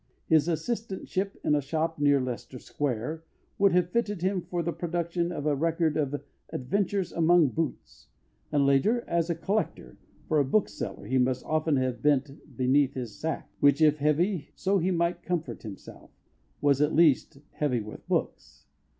His assistantship in a shop near Leicester Square would have fitted him for the production of a record of Adventures among Boots; and later, as a "collector" for a bookseller he must often have bent beneath the sack, which, if heavy, so he might comfort himself, was at least heavy with books.